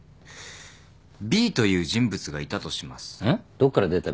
どっから出た？